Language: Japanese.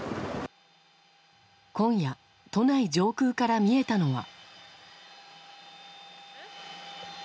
今夜、都内上空から見えたのは。